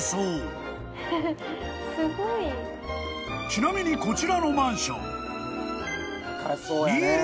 ［ちなみにこちらのマンション］